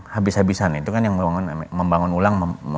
habis habisan itu kan yang membangun ulang